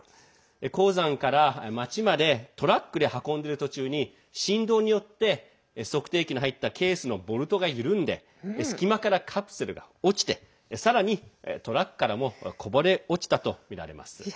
鉱山から町までトラックで運んでいる途中に振動によって測定器の入ったケースのボルトが緩んで隙間からカプセルが落ちてさらにトラックからもこぼれ落ちたとみられます。